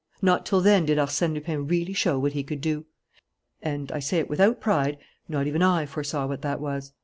Not till then did Arsène Lupin really show what he could do. And, I say it without pride, not even I foresaw what that was.